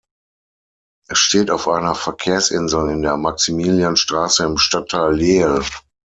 Es steht auf einer Verkehrsinsel in der Maximilianstraße im Stadtteil Lehel.